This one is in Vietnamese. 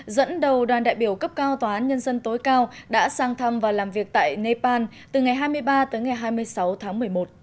dẫn đầu đoàn đại biểu cấp cao tòa án nhân dân tối cao đã sang thăm và làm việc tại nepal từ ngày hai mươi ba tới ngày hai mươi sáu tháng một mươi một